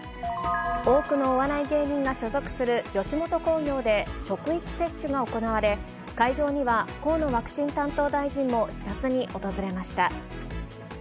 多くのお笑い芸人が所属する吉本興業で、職域接種が行われ、会場には、河野ワクチン担当大臣も視察に訪れました。